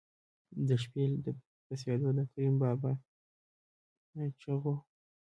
د شپې د پسېدو د کریم بابا چغو.